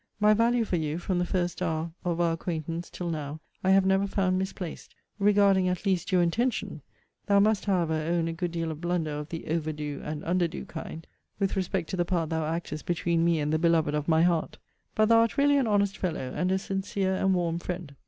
My value for you, from the first hour of our acquaintance till now, I have never found misplaced; regarding at least your intention: thou must, however, own a good deal of blunder of the over do and under do kind, with respect to the part thou actest between me and the beloved of my heart. But thou art really an honest fellow, and a sincere and warm friend.